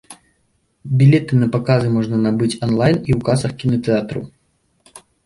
Білеты на паказы можна набыць анлайн і ў касах кінатэатраў.